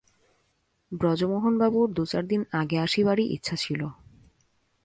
ব্রজমোহনবাবুর দু-চার দিন আগে আসিবারই ইচ্ছা ছিল।